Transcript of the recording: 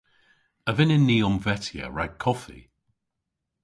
A vynnyn ni omvetya rag koffi?